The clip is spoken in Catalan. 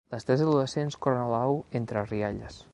Les tres adolescents corren al lavabo entre rialles.